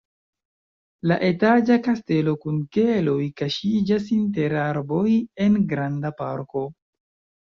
La etaĝa kastelo kun keloj kaŝiĝas inter arboj en granda parko.